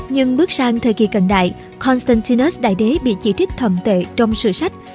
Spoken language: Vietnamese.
nhưng bước sang thời kỳ cận đại constantinus đại đế bị chỉ trích thậm tệ trong sử sách